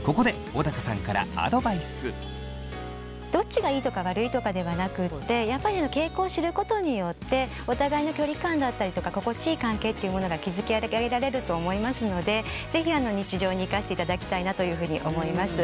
ここでどっちがいいとか悪いとかではなくってやっぱり傾向を知ることによってお互いの距離感だったりとか心地いい関係っていうものが築き上げられると思いますので是非日常に生かしていただきたいなというふうに思います。